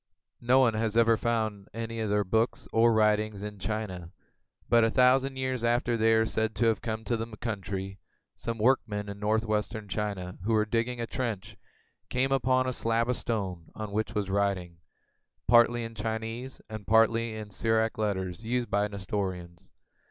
No one has ever found any of their books or writings in China; but a thousand years after they are said to have come to the country, some workmen in northwestern China who were digging a trench came upon a slab of stone on which was writing, partly in Chinese and partly in the Syriac letters used by the Nestorians.